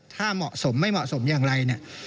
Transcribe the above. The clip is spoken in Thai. ถ้าเหมาะสมไม่เหมาะสมอย่างไรเนี่ย